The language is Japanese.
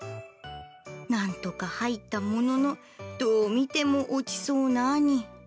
なんとか入ったもののどう見ても落ちそうな兄。